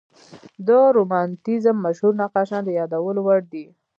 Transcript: د رومانتیزم مشهور نقاشان د یادولو وړ دي.